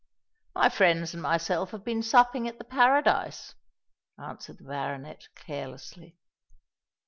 "My friends and myself have been supping at the Paradise," answered the baronet, carelessly.